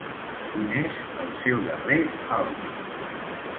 Quin és el seu darrer àlbum?